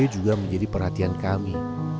juga menjadi perhatian kami